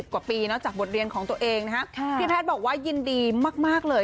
กว่าปีเนอะจากบทเรียนของตัวเองนะฮะพี่แพทย์บอกว่ายินดีมากเลย